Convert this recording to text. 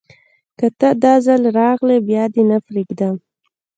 که ته، داځل راغلي بیا دې نه پریږدم